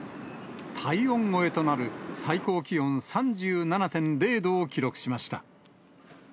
体温超えとなる最高気温３７．０度を記録しました。